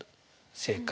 正解。